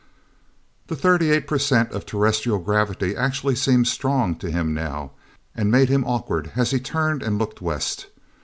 The thirty eight percent of terrestrial gravity actually seemed strong to him now, and made him awkward, as he turned and looked west.